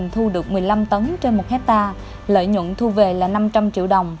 thu được một mươi năm tấn trên một hectare lợi nhuận thu về là năm trăm linh triệu đồng